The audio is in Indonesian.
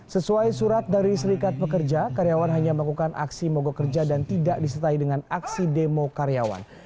sesuai surat dari serikat pekerja karyawan hanya melakukan aksi mogok kerja dan tidak disertai dengan aksi demo karyawan